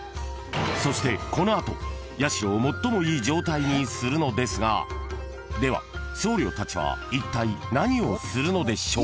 ［そしてこの後社を最もいい状態にするのですがでは僧侶たちはいったい何をするのでしょう？］